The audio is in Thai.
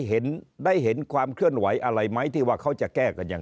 เห็นได้เห็นความเคลื่อนไหวอะไรไหมที่ว่าเขาจะแก้กันอย่าง